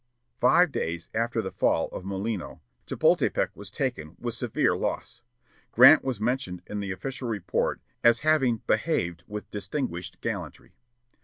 Five days after the fall of Molino, Chepultepec was taken, with severe loss. Grant was mentioned in the official report as having "behaved with distinguished gallantry."